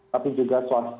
tapi juga swasta